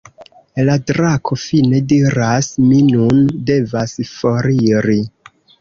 La drako fine diras: "Mi nun devas foriri".